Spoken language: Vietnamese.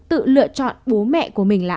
tự lựa chọn bố mẹ của mình là